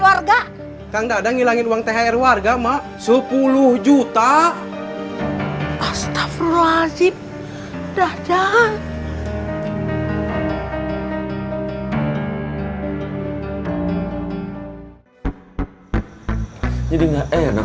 warga kang dadang ngilangin uang thr warga mak sepuluh juta astagfirullahaladzim dadang jadi enak